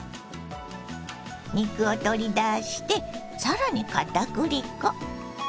肉を取り出して更にかたくり粉。